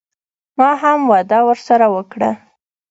ما هم وعده ورسره وکړه.